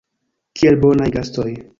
Kiel bonaj gastoj.